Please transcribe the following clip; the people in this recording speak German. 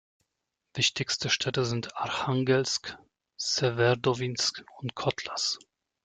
Wichtigste Städte sind Archangelsk, Sewerodwinsk und Kotlas.